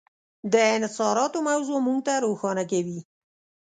د انحصاراتو موضوع موږ ته روښانه کوي.